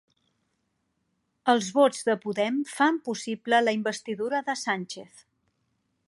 Els vots de Podem fan possible la investidura de Sánchez